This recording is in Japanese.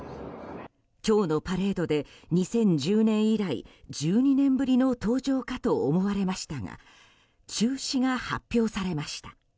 今日のパレードで２０１０年以来１２年ぶりの登場かと思われましたが中止が発表されました。